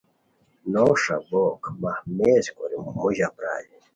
نوغ ݰابوک مہمیز کوری موژہ پرائے